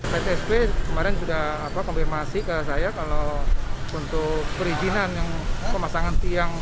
ptsp kemarin sudah kompilasi ke saya untuk perizinan